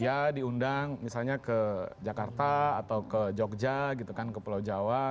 ya diundang misalnya ke jakarta atau ke jogja gitu kan ke pulau jawa